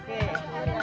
sebentar ya bu